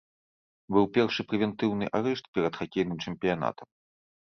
Быў першы прэвентыўны арышт перад хакейным чэмпіянатам.